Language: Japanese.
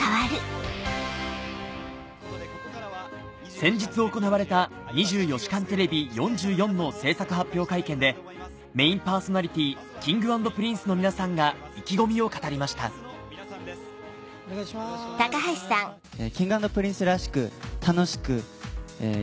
先日行われた『２４時間テレビ４４』の制作発表会見でメインパーソナリティーＫｉｎｇ＆Ｐｒｉｎｃｅの皆さんが意気込みを語りましたお願いします。